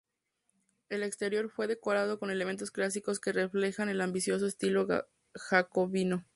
El exterior fue decorado con elementos clásicos que reflejaban el ambicioso estilo jacobino.